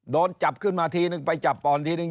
โดนจับขึ้นมาทีนึงไปจับก่อนทีนึง